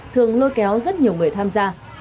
thường lôi kéo rất nhiều người tham gia